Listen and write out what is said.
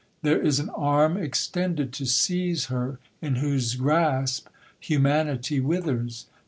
—There is an arm extended to seize her, in whose grasp humanity withers!